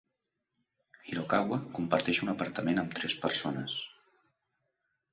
Hirokawa comparteix un apartament amb tres persones.